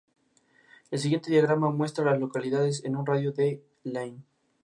Brown", donde Billy Connolly interpreta a Brown y Judi Dench a la reina.